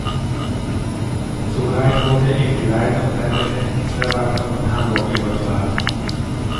Zugleich wurde ihm die Leitung der Gefängnisverwaltung von Hamburg übertragen.